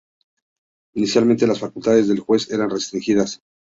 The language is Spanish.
Inicialmente las facultades del juez eran restringidas.